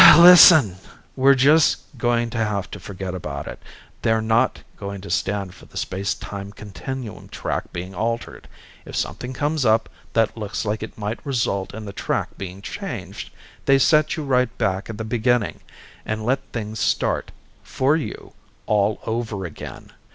"Listen, we're just going to have to forget about it. They're not going to stand for the space time continuum track being altered. If something comes up that looks like it might result in the track being changed, they set you right back at the beginning and let things start for you all over again.